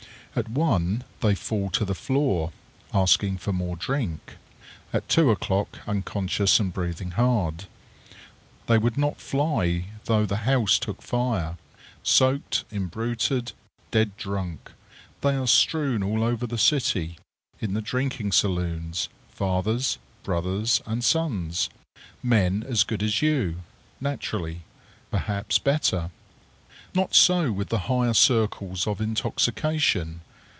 At one they fall to the floor, asking for more drink. At two o'clock, unconscious and breathing hard. They would not fly though the house took fire. Soaked, imbruted, dead drunk! They are strewn all over the city, in the drinking saloons, fathers, brothers, and sons; men as good as you, naturally perhaps better. Not so with the higher circles of intoxication.